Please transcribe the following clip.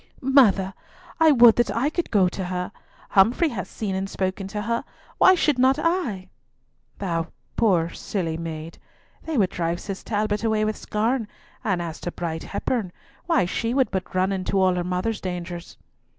"Mother, I would that I could go to her; Humfrey has seen and spoken to her, why should not I?" "Thou, poor silly maid! They would drive Cis Talbot away with scorn, and as to Bride Hepburn, why, she would but run into all her mother's dangers."